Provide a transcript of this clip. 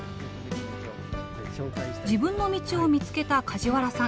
自分の道を見つけた梶原さん